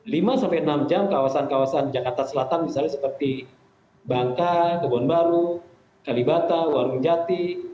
lima sampai enam jam kawasan kawasan jakarta selatan misalnya seperti bangka kebonbaru kalibata warung jati